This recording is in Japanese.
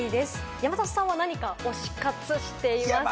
山里さんは何か推し活してますか？